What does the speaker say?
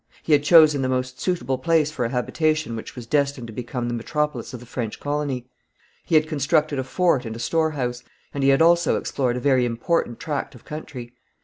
He had chosen the most suitable place for a habitation which was destined to become the metropolis of the French colony; he had constructed a fort and a storehouse, and he had also explored a very important tract of country.